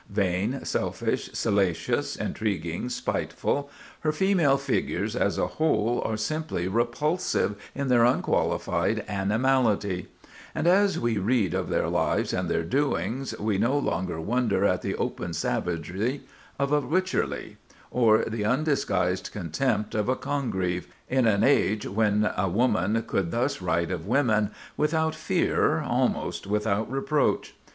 Vain, selfish, salacious, intriguing, spiteful, her female figures, as a whole, are simply repulsive in their unqualified animality; and as we read of their lives and their doings, we no longer wonder at the open savagery of a Wycherley, or the undisguised contempt of a Congreve, in an age when a woman could thus write of women, without fear, almost without reproach.